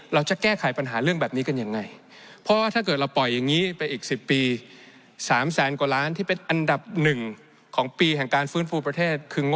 เราจะแก้ไขปัญหาเรื่องแบบนี้กันยังไง